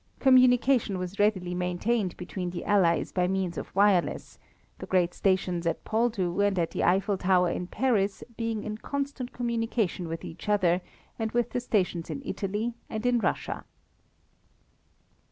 Communication was readily maintained between the Allies by means of wireless, the great stations at Poldhu and at the Eiffel Tower in Paris being in constant communication with each other and with the stations in Italy and in Russia.